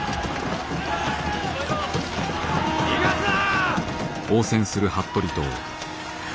逃がすな！